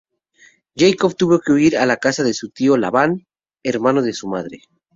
Jacob tuvo que huir a casa de su tío Labán, hermano de su madre.